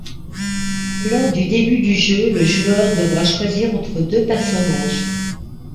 Lors du début du jeux, le jouer devra choisir entre deux personnages.